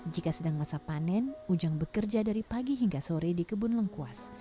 jika sedang masa panen ujang bekerja dari pagi hingga sore di kebun lengkuas